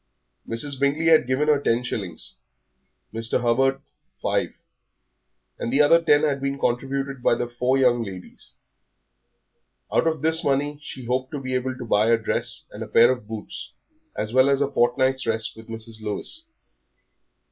Mrs. Bingley had given her ten shillings, Mr. Hubert five, and the other ten had been contributed by the four young ladies. Out of this money she hoped to be able to buy a dress and a pair of boots, as well as a fortnight's rest with Mrs. Lewis.